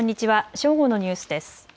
正午のニュースです。